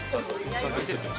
ちゃんと焼いて。